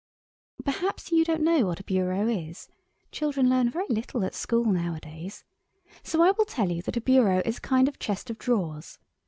Perhaps you don't know what a bureau is—children learn very little at school nowadays—so I will tell you that a bureau is a kind of chest of drawers.